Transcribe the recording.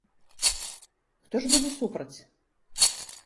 Хто ж будзе супраць?!